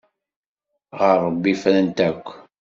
Ɣer Ṛebbi frant akk.